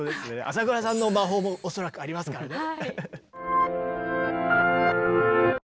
浅倉さんの魔法も恐らくありますからね。